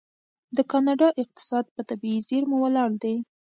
د کاناډا اقتصاد په طبیعي زیرمو ولاړ دی.